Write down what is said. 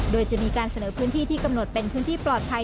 โดยจะมีการเสนอพื้นที่ที่กำหนดเป็นพื้นที่ปลอดภัย